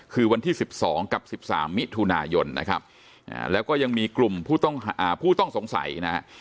คือวันที่๑๒กับ๑๓มิถุนายนนะครับแล้วก็ยังมีกลุ่มผู้ต้องสงสัยนะฮะ